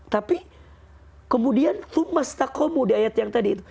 tapi kemudian thumma staqomu di ayat yang tadi